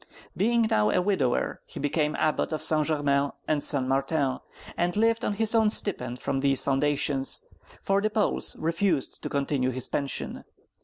Being now a widower, he became Abbot of St. Germain and St. Martin, and lived on his stipend from these foundations, for the Poles refused to continue his pension.